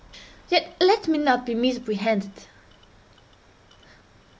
Yet let me not be misapprehended.